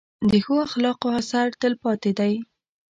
د ښو اخلاقو اثر تل پاتې دی.